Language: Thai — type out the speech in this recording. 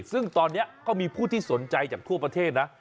ซึ่งตอนนี้ก็มีผู้ที่สนใจจากทั่วประเทศนะ